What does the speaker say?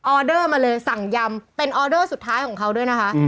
อเดอร์มาเลยสั่งยำเป็นออเดอร์สุดท้ายของเขาด้วยนะคะ